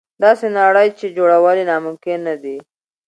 داسې نړۍ چې جوړول یې ناممکن نه دي.